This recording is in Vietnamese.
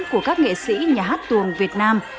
của các nghệ sĩ nhà hát tuồng việt nam